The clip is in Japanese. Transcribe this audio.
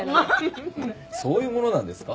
そういうものなんですか？